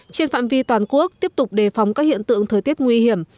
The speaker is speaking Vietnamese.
trên phạm vi toàn quốc tiếp tục đề phóng các hiện tượng thời tiết nguy hiểm